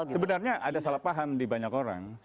sebenarnya ada salah paham di banyak orang